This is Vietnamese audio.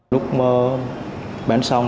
lúc bán xong